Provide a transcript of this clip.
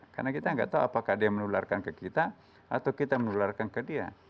karena kita tidak tahu apakah dia menularkan ke kita atau kita menularkan ke dia